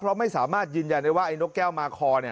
เพราะไม่สามารถยืนยันได้ว่าไอ้นกแก้วมาคอ